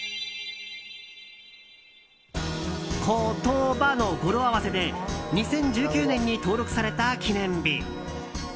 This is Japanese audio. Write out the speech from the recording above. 「ことば」の語呂合わせで２０１９年に登録された記念日。